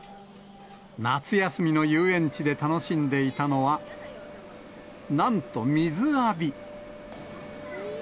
夏休みの遊園地で楽しんでいたのは、なんと水浴び。